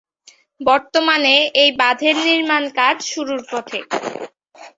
বর্তমানে এই বাঁধের নির্মাণ কাজ শুরুর পথে।